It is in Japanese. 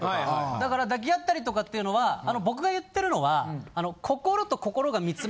だから抱き合ったりとかっていうのは。っていう話で。